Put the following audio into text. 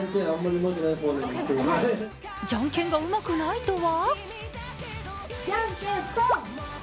じゃんけんがうまくないとは？